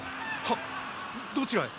はっどちらへ？